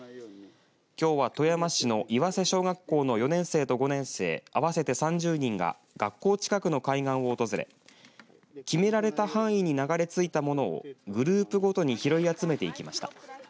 きょうは富山市の岩瀬小学校の４年生と５年生合わせて３０人が学校近くの海岸を訪れ決められた範囲に流れついたものをグループごとに拾い集めていきました。